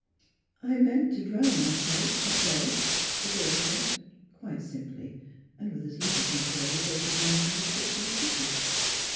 " I meant to drown myself that day," the girl said, quite simply, and with as little concern as though she had mentioned a trip to the city.